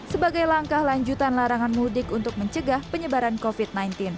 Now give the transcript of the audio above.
sebagai langkah lanjutan larangan mudik untuk mencegah penyebaran covid sembilan belas